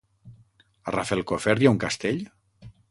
A Rafelcofer hi ha un castell?